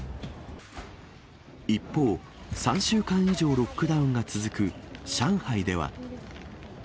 一方、３週間以上ロックダウンが続く上海では。